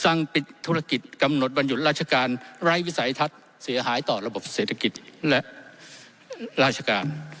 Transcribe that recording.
ปิดธุรกิจกำหนดวันหยุดราชการไร้วิสัยทัศน์เสียหายต่อระบบเศรษฐกิจและราชการ